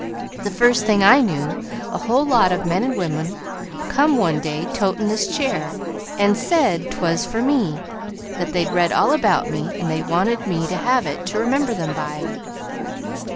The first thing I knew, a whole lot of men and women come one day toting this chair, and said 'twas for me. That they'd read all about me, and they wanted me to have it to remember them by."